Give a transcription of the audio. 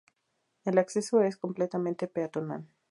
El acceso es completamente peatonal.